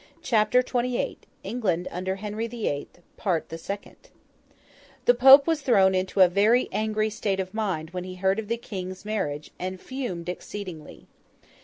CHAPTER XXVIII ENGLAND UNDER HENRY THE EIGHTH PART THE SECOND The Pope was thrown into a very angry state of mind when he heard of the King's marriage, and fumed exceedingly.